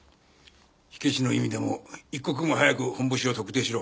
火消しの意味でも一刻も早くホンボシを特定しろ。